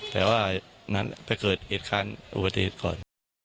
แต่ว่านั้นถ้าเกิดเหตุความอุปฏิเหตุก่อน